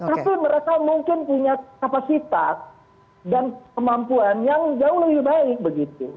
tapi mereka mungkin punya kapasitas dan kemampuan yang jauh lebih baik begitu